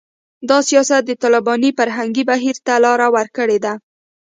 دا سیاست د طالباني فرهنګي بهیر ته لاره ورکړې ده